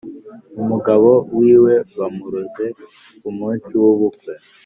Umugabo wiwe bamuroze kumunsi wubukwe